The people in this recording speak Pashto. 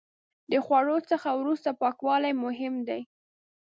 د خوړو څخه وروسته پاکوالی مهم دی.